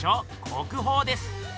国宝です！